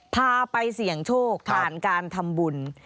พาไปเสี่ยงโชคผ่านการทำบุญ